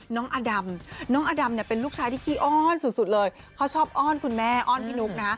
อดำน้องอดำเนี่ยเป็นลูกชายที่ขี้อ้อนสุดเลยเขาชอบอ้อนคุณแม่อ้อนพี่นุ๊กนะ